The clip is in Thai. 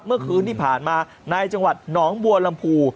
เมื่อคืนที่ผ่านมาในจังหวัดหนองบัวลำพู